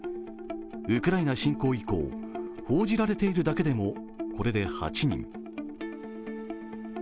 ウクライナ侵攻以降、報じられているだけでもこれで８人。